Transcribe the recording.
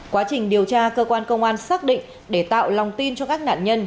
quá trình điều tra cơ quan công an xác định để tạo lòng tin cho các nạn nhân